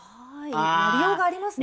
やりようがありますね。